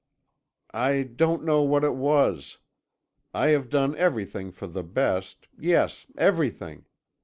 "'I don't know what it was. I have done everything for the best yes, everything.